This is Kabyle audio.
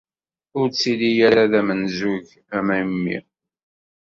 Ur k-ttili ara d amenzug, a memmi!